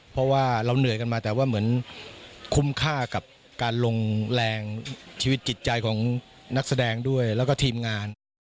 เพราะว่าเราเหนื่อยกันมาแต่ว่าเหมือนคุ้มค่ากับการลงแรงชีวิตจิตใจของนักแสดงด้วยแล้วก็ทีมงาน